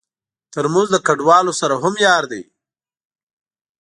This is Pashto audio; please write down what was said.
ترموز د کډوالو سره هم یار دی.